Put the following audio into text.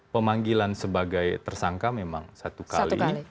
pemanggilan sebagai tersangka memang satu kali